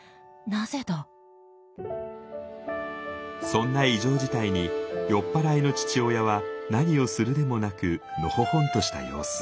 そんな異常事態に酔っ払いの父親は何をするでもなくのほほんとした様子。